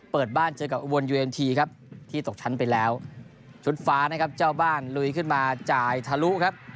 เปิดบ้านเจอกับอุบลยูเอ็นทีครับที่ตกชั้นไปแล้วชุดฟ้านะครับเจ้าบ้านลุยขึ้นมาจ่ายทะลุครับ